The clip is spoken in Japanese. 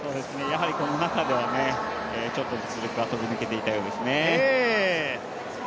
この中では実力が飛び抜けていたようですね。